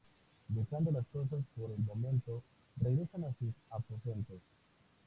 Dejando las cosas por el momento, regresan a sus aposentos.